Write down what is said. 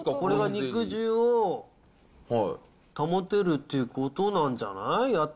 これが肉汁を保てるってことなんじゃない？